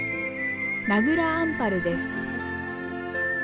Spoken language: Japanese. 名蔵アンパルです。